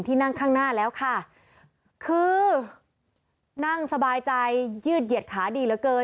นั่งข้างหน้าแล้วค่ะคือนั่งสบายใจยืดเหยียดขาดีเหลือเกิน